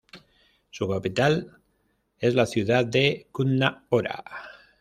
Su capital es la ciudad de Kutná Hora.